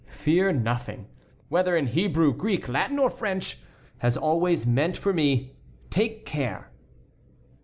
'Fear nothing,' whether in Hebrew, Greek, Latin, or French, has always meant for me: 'Take care!'"